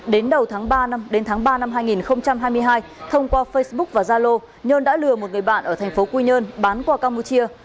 đến đầu tháng ba năm hai nghìn hai mươi hai thông qua facebook và zalo nhân đã lừa một người bạn ở tp quy nhơn bán qua campuchia